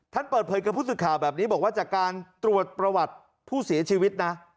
เปิดเผยกับผู้สื่อข่าวแบบนี้บอกว่าจากการตรวจประวัติผู้เสียชีวิตนะ